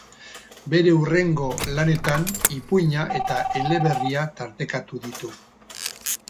Bere hurrengo lanetan ipuina eta eleberria tartekatu ditu.